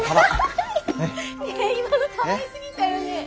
今のかわいすぎたよね。